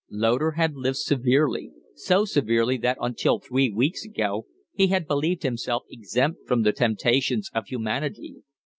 Loder had lived severely so severely that until three weeks ago he had believed himself exempt from the temptations of humanity.